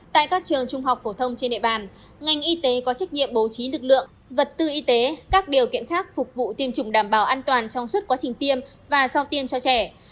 tại các trường trung học phổ thông trên địa bàn ngành y tế có trách nhiệm bố trí lực lượng vật tư y tế các điều kiện khác phục vụ tiêm chủng đảm bảo an toàn trong suốt quá trình tiêm và sau tiêm cho trẻ